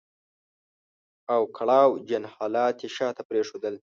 او کړاو جن حالات يې شاته پرېښودل.